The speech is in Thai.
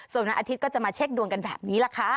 ส่วนวันอาทิตย์ก็จะมาเช็คดวงกันแบบนี้แหละค่ะ